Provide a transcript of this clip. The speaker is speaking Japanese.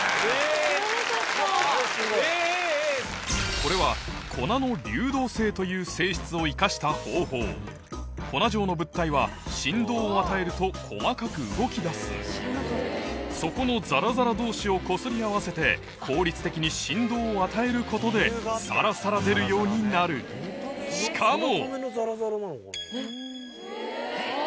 これは粉の流動性という性質を生かした方法粉状の物体は底のザラザラ同士をこすり合わせて効率的に振動を与えることでサラサラ出るようになるしかも！